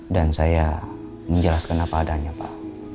dan saya menjelaskan apa adanya pak